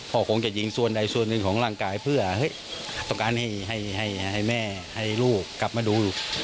คงจะยิงส่วนใดส่วนหนึ่งของร่างกายเพื่อต้องการให้แม่ให้ลูกกลับมาดู